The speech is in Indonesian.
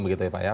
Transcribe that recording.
begitu ya pak ya